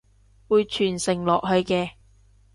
會傳承落去嘅！